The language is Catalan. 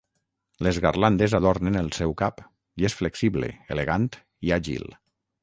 Les garlandes adornen el seu cap, i és flexible, elegant i àgil.